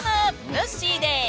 ぬっしーです！